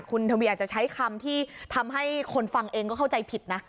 คุณทวีอาจจะใช้คำที่ทำให้คนฟังเองก็เข้าใจผิดนะ